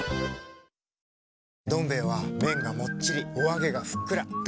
「どん兵衛」は麺がもっちりおあげがふっくら。